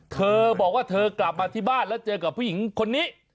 เธอบอกว่าเธอกลับมาที่บ้านแล้วเจอกับผู้หญิงคนนี้